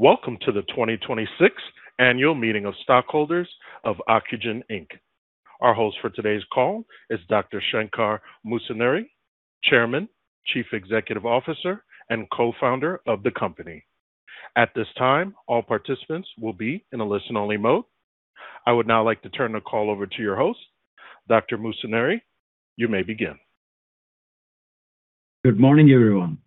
Welcome to the 2026 Annual Meeting of Stockholders of Ocugen, Inc. Our host for today's call is Dr. Shankar Musunuri, Chairman, Chief Executive Officer, and Co-Founder of the company. At this time, all participants will be in a listen-only mode. I would now like to turn the call over to your host. Dr. Musunuri, you may begin. Good morning, everyone.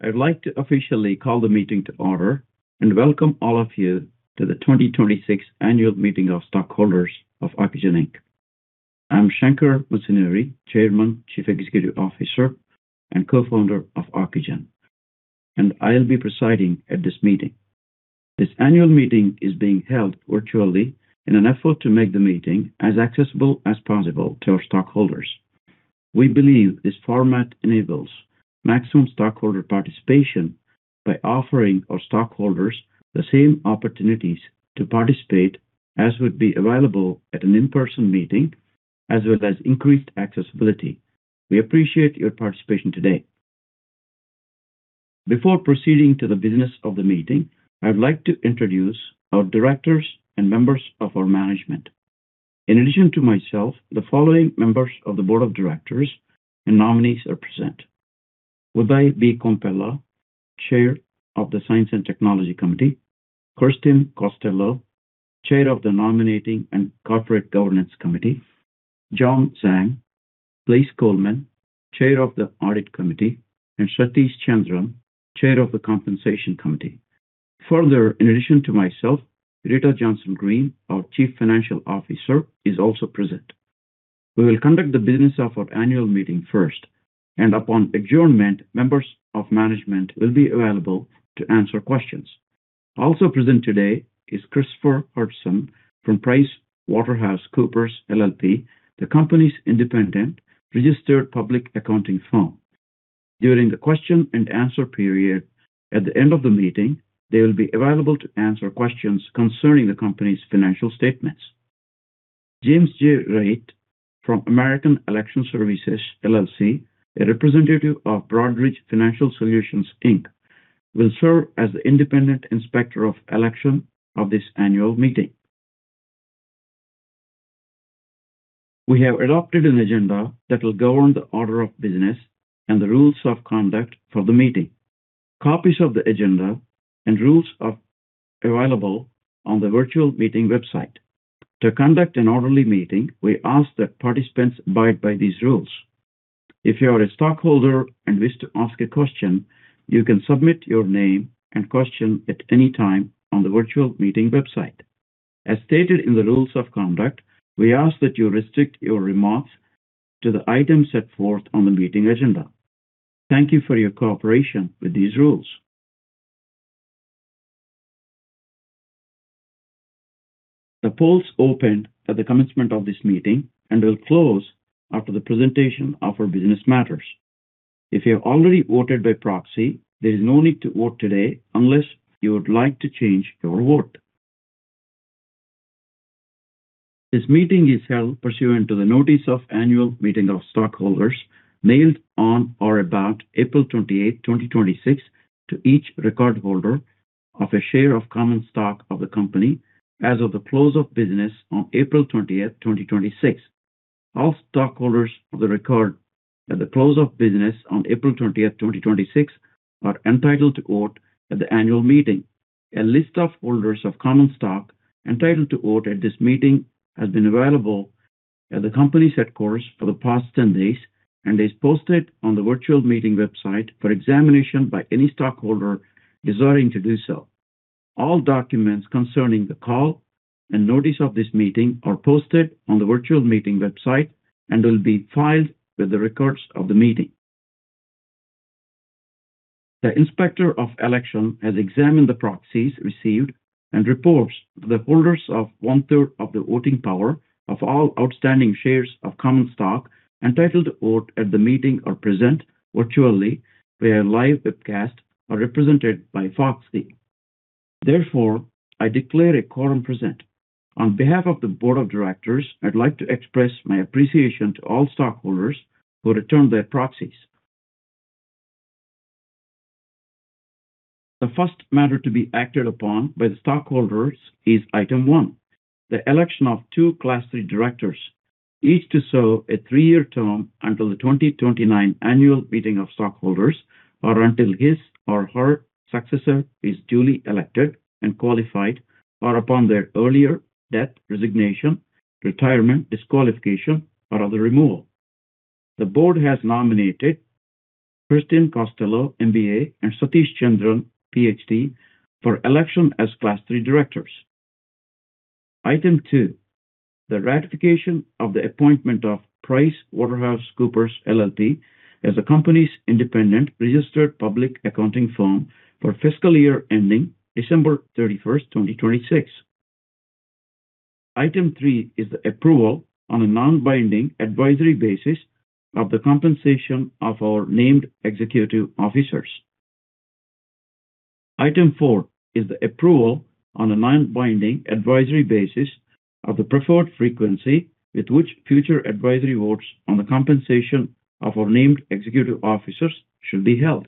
I'd like to officially call the meeting to order and welcome all of you to the 2026 Annual Meeting of Stockholders of Ocugen, Inc. I'm Shankar Musunuri, Chairman, Chief Executive Officer, and Co-Founder of Ocugen, and I'll be presiding at this meeting. This annual meeting is being held virtually in an effort to make the meeting as accessible as possible to our stockholders. We believe this format enables maximum stockholder participation by offering our stockholders the same opportunities to participate as would be available at an in-person meeting, as well as increased accessibility. We appreciate your participation today. Before proceeding to the business of the meeting, I would like to introduce our directors and members of our management. In addition to myself, the following members of the board of directors and nominees are present. Uday B. Kompella, Chair of the Science and Technology Committee, Kirsten Castillo, Chair of the Nominating and Corporate Governance Committee, Junge Zhang, Blaise Coleman, Chair of the Audit Committee, and Satish Chandran, Chair of the Compensation Committee. Further, in addition to myself, Rita Johnson-Greene, our Chief Financial Officer, is also present. We will conduct the business of our annual meeting first, and upon adjournment, members of management will be available to answer questions. Also present today is Christopher Hodgson from PricewaterhouseCoopers, LLP, the company's independent registered public accounting firm. During the question and answer period at the end of the meeting, they will be available to answer questions concerning the company's financial statements. James J. Raitt from American Election Services, LLC, a representative of Broadridge Financial Solutions, Inc., will serve as the Independent Inspector of Election of this annual meeting. We have adopted an agenda that will govern the order of business and the rules of conduct for the meeting. Copies of the agenda and rules are available on the virtual meeting website. To conduct an orderly meeting, we ask that participants abide by these rules. If you are a stockholder and wish to ask a question, you can submit your name and question at any time on the virtual meeting website. As stated in the rules of conduct, we ask that you restrict your remarks to the items set forth on the meeting agenda. Thank you for your cooperation with these rules. The polls opened at the commencement of this meeting and will close after the presentation of our business matters. If you have already voted by proxy, there is no need to vote today unless you would like to change your vote. This meeting is held pursuant to the notice of annual meeting of stockholders mailed on or about April 28th, 2026, to each record holder of a share of common stock of the company as of the close of business on April 20th, 2026. All stockholders of the record at the close of business on April 20th, 2026, are entitled to vote at the annual meeting. A list of holders of common stock entitled to vote at this meeting has been available at the company's headquarters for the past 10 days and is posted on the virtual meeting website for examination by any stockholder desiring to do so. All documents concerning the call and notice of this meeting are posted on the virtual meeting website and will be filed with the records of the meeting. The Inspector of Election has examined the proxies received and reports that the holders of one-third of the voting power of all outstanding shares of common stock entitled to vote at the meeting are present virtually via live webcast or represented by proxy. Therefore, I declare a quorum present. On behalf of the board of directors, I'd like to express my appreciation to all stockholders who returned their proxies. The first matter to be acted upon by the stockholders is Item 1, the election of two Class III directors, each to serve a three-year term until the 2029 annual meeting of stockholders, or until his or her successor is duly elected and qualified, or upon their earlier death, resignation, retirement, disqualification, or other removal. The board has nominated Kirsten Castillo, MBA, and Satish Chandran, PhD, for election as Class III directors. Item 2, the ratification of the appointment of PricewaterhouseCoopers, LLP as the company's independent registered public accounting firm for fiscal year ending December 31st, 2026. Item three is the approval on a non-binding advisory basis of the compensation of our named executive officers. Item four is the approval on a non-binding advisory basis of the preferred frequency with which future advisory votes on the compensation of our named executive officers should be held.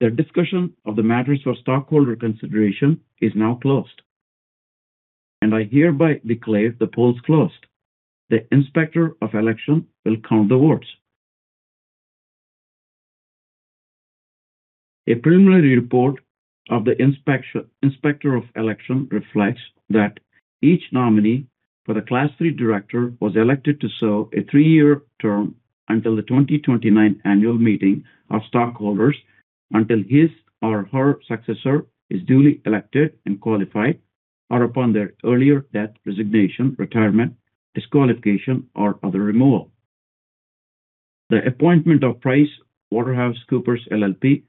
The discussion of the matters for stockholder consideration is now closed, and I hereby declare the polls closed. The Inspector of Election will count the votes. A preliminary report of the Inspector of Election reflects that each nominee for the Class III director was elected to serve a three-year term until the 2029 Annual Meeting of Stockholders, until his or her successor is duly elected and qualified, or upon their earlier death, resignation, retirement, disqualification, or other removal. The appointment of PricewaterhouseCoopers, LLP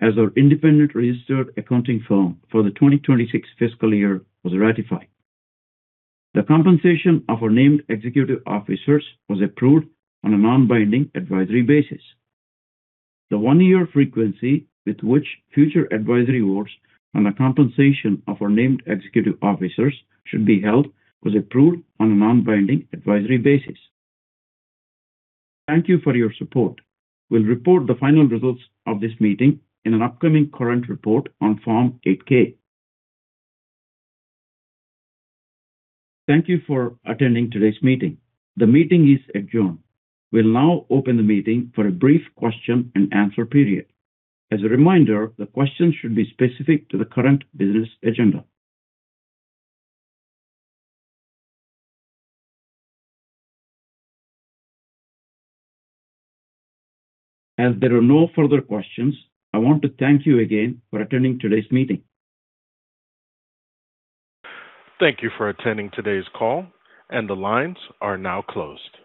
as our independent registered accounting firm for the 2026 fiscal year was ratified. The compensation of our named executive officers was approved on a non-binding advisory basis. The one-year frequency with which future advisory votes on the compensation of our named executive officers should be held was approved on a non-binding advisory basis. Thank you for your support. We'll report the final results of this meeting in an upcoming current report on Form 8-K. Thank you for attending today's meeting. The meeting is adjourned. We'll now open the meeting for a brief question and answer period. As a reminder, the questions should be specific to the current business agenda. As there are no further questions, I want to thank you again for attending today's meeting. Thank you for attending today's call. The lines are now closed.